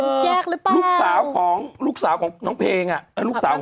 แยกหรือเปล่าลูกสาวของลูกสาวของน้องเพลงอ่ะเออลูกสาว